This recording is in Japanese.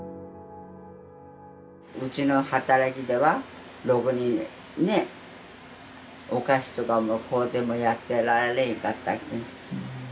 うちの働きではろくにねっお菓子とかも買うてもやってられんかったけん。